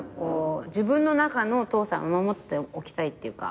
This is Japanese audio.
自分の中の父さん守っておきたいっていうか。